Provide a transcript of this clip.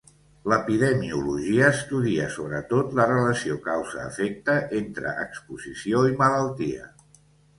L'epidemiologia estudia, sobretot, la relació causa-efecte entre exposició i malaltia.